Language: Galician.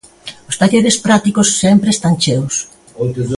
Os talleres prácticos sempre están cheos.